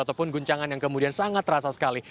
ataupun guncangan yang kemudian sangat terasa sekali